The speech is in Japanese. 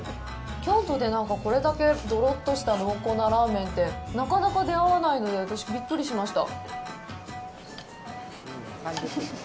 京都でこれだけどろっとした濃厚なラーメンってなかなか出会わないので私、びっくりしました。